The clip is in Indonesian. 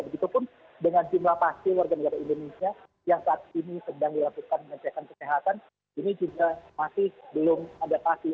begitupun dengan jumlah pasti warga negara indonesia yang saat ini sedang dilakukan pengecekan kesehatan ini juga masih belum adaptasi